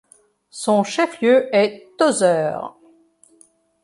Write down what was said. Son chef-lieu est Tozeur.